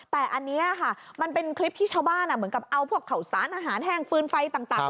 แต่อันนี้ค่ะมันเป็นคลิปที่ชาวบ้านเหมือนกับเอาพวกข่าวสารอาหารแห้งฟืนไฟต่าง